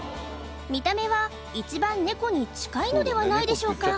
見た目は一番ネコに近いのではないのでしょうか？